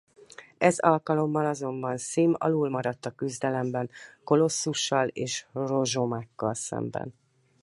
Ez alkalommal azonban S’ym alul maradt a küzdelemben Kolosszussal és Rozsomákkal szemben.